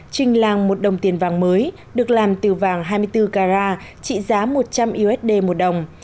trình làng một đồng tiền vàng mới được làm từ vàng hai mươi bốn carat trị giá một trăm linh usd một đồng